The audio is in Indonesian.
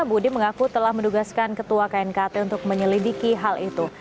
budi mengaku telah mendugaskan ketua knkt untuk menyelidiki hal itu